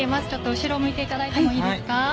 後ろを向いていただいてもいいですか。